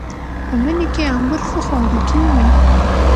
په مني کې انګور ښه خواږه کېږي.